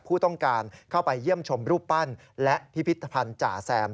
ผู้ต้องการเข้าไปเยี่ยมชมรูปปั้นและพิพิธภัณฑ์จ่าแซม